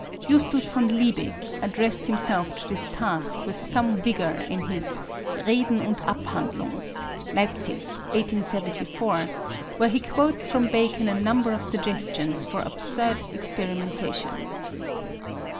Justus von Liebig addressed himself to this task with some vigour in his Reden und Abhandlung (Leipzig, 1874), where he quotes from Bacon a number of suggestions for absurd experimentation.